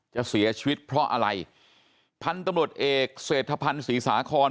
จะเสียชีวิตเพราะอะไรท่านตำรวจเอกเสร็จทภัณฑ์ศรีสาคอน